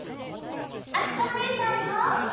あつこおねえさんも！